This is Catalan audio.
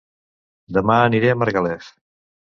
Dema aniré a Margalef